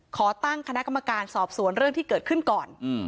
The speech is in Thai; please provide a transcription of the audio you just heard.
ขอตั้งคณะกรรมการสอบสวนเรื่องที่เกิดขึ้นก่อน